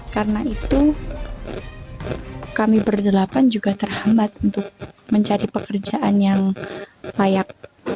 karena itu kami berdelapan juga terhambat untuk mencari pekerjaan yang layak